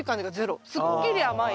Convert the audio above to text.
すっきり甘い。